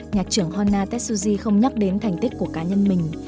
nhạc trưởng honna tetsuji không nhắc đến thành tích của cá nhân mình